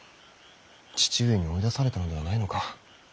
父上に追い出されたのではないのか。